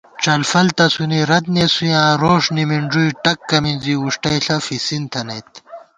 ڄلفل تسُونی رت نېسُویاں روݭ نِمِنݮُوئ ٹکّہ مِنزی، وُݭٹَئیݪہ فِسِن تھنَئیت